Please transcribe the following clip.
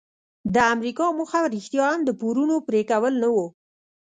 د امریکا موخه رښتیا هم د پورونو پریکول نه وو.